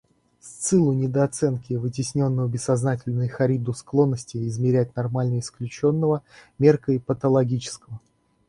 Сциллу недооценки вытесненного бессознательного и Харибду склонности измерять нормальное исключительно меркой патологического.